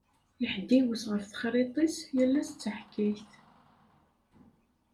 Iḥdewwes ɣef texṛiṭ-is, yal ass d taḥkayt.